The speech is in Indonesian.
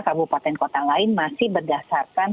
kabupaten kota lain masih berdasarkan